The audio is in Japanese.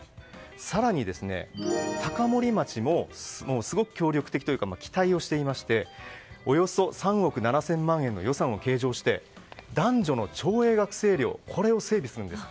更に、高森町もすごく協力的というか期待をしていましておよそ３億７０００万円の予算を計上して男女の町営学生寮を整備するんです。